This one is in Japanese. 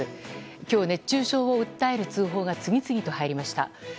今日、熱中症を訴える通報が次々と入りました。